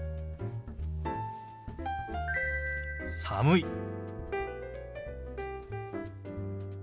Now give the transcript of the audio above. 「寒い」。